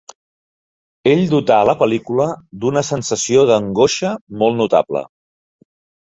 Ell dotà la pel·lícula d'una sensació d'angoixa molt notable.